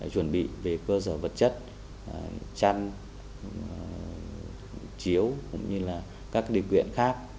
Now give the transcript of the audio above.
chuẩn bị về cơ sở vật chất chăn chiếu cũng như là các địa quyện khác